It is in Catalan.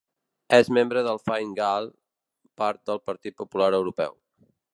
És membre de Fine Gael, part del Partit Popular Europeu.